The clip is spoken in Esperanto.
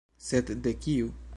Sed de kiu?